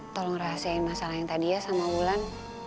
tolong rahasiain masalah yang tadi ya sama bulan